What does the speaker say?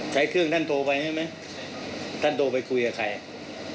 ใครเครื่องท่านโทรไปใช่ไหมท่านโทรไปคุยกับใครอ่ะคุยกับใคร